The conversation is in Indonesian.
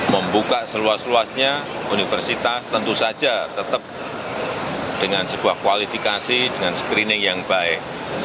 membuka seluas luasnya universitas tentu saja tetap dengan sebuah kualifikasi dengan screening yang baik